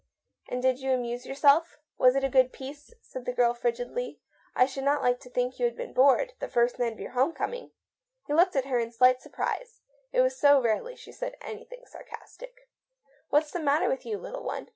" And did you amuse yourself ? Was it a good piece?" said the girl frigidly. "I ft 164£ THE BTOBY OF A MODERN WOMAN. / should not like to think you had been bored — the first night of your homecoming." He looked at her in slight surprise. It was so rarely she said anything sarcastic. " What's the matter with you, little one